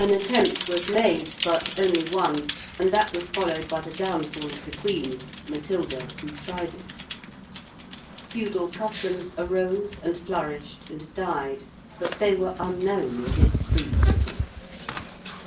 An attempt was made, but only one, and that was followed by the downfall of the Queen Matilda who tried it. Feudal customs arose and flourished and died, but they were unknown in this free city.